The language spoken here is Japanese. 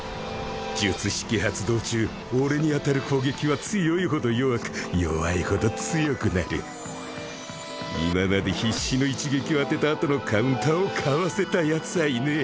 術式発動中俺に当たる攻撃は強いほど弱く今まで必死の一撃を当てたあとのカウンターをかわせたヤツはいねぇ。